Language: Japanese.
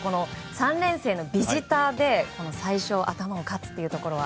３連戦ビジターで最初、頭を勝つということは。